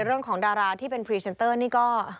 เรื่องของดาราที่เป็นพรีเซนเตอร์นี่ก็